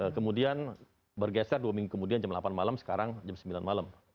kemudian bergeser dua minggu kemudian jam delapan malam sekarang jam sembilan malam